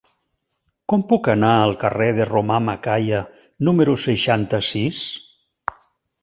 Com puc anar al carrer de Romà Macaya número seixanta-sis?